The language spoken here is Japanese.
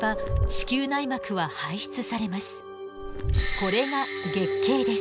これが月経です。